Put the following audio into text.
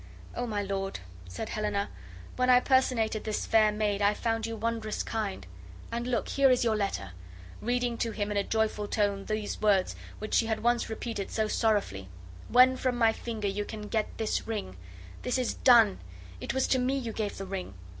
"O my lord," said Helena, "when I personated this fair maid I found you wondrous kind; and look, here is your letter!" reading to him in a joyful tone those words which she had once repeated so sorrowfully, "WHEN FROM MY FINGER YOU CAN GET THIS RING This is done; it was to me you gave the ring.